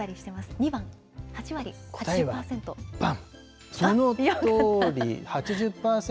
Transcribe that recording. ２番、８割、８０％。